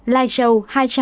lai châu hai trăm bảy mươi